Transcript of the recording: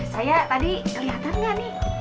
saya tadi kelihatan nggak nih